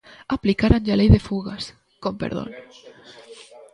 Aplicáranlle a lei de fugas, con perdón...